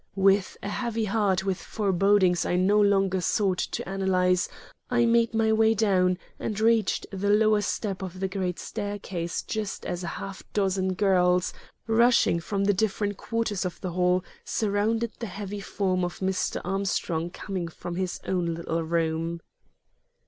With a heart heavy with forebodings I no longer sought to analyze, I made my way down and reached the lower step of the great staircase just as a half dozen girls, rushing from different quarters of the hall, surrounded the heavy form of Mr. Armstrong coming from his own little room.